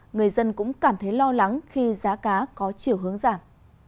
người dân cũng cảm thấy lo lắng khi giá cá có chiều hướng giảm